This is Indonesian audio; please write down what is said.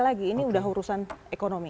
lagi ini udah urusan ekonomi